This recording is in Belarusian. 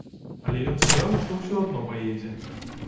Але ён сказаў, што ўсё адно паедзе.